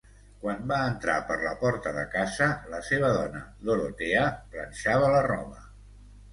Quan va entrar per la porta de casa, la seva dona, Dorothea, planxava la roba.